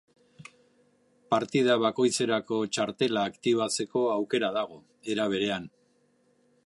Partida bakoitzerako txartela aktibatzeko aukera dago, era berean.